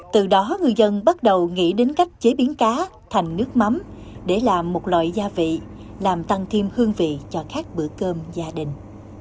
từ đó người dân bắt đầu nghĩ đến cách chế biến cá thành nước mắm để làm một loại gia vị làm tăng thêm hương vị cho các bữa cơm gia đình